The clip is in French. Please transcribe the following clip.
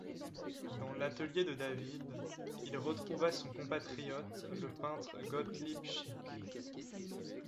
Dans l'atelier de David, il retrouva son compatriote le peintre Gottlieb Schick.